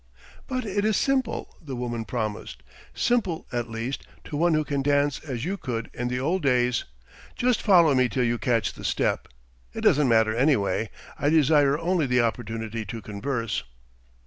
"But it is simple," the woman promised "simple, at least, to one who can dance as you could in the old days. Just follow me till you catch the step. It doesn't matter, anyway; I desire only the opportunity to converse."